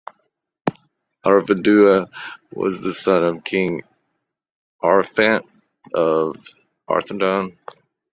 Arvedui was the son of King Araphant of Arthedain.